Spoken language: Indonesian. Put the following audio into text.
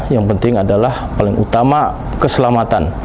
yang penting adalah paling utama keselamatan